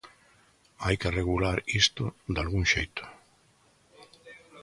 Hai que regular isto dalgún xeito.